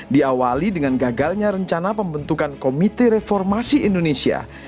diawali dengan gagalnya rencana pembentukan komite reformasi indonesia